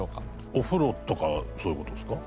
お風呂とかそういう事ですか？